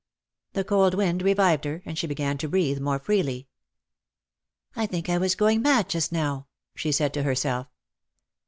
The cold wind revived her, and she began to breathe more freely. " I think I was going mad just now/^ she said to herself.